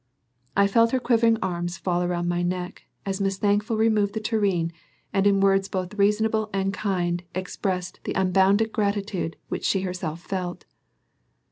I felt her quivering arms fall round my neck, as Miss Thankful removed the tureen and in words both reasonable and kind expressed the unbounded gratitude which she herself felt.